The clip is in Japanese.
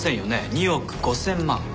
２億５０００万。